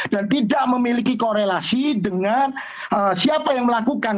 dan tidak memiliki korelasi dengan siapa yang melakukan